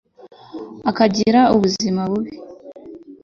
akagira ubuzima bubi